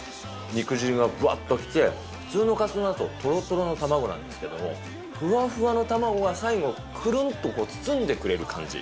肉汁がぶわっときて、普通のカツ丼だと、とろとろの卵なんですけど、ふわふわの卵が最後、くるんと包んでくれる感じ。